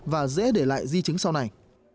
và dễ để lại di chứng sau này